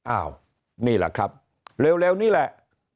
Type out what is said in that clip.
อ้าวนี่แหละครับเร็วนี่แหละ